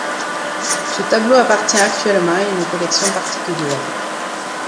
Ce tableau appartient actuellement à une collection particulière.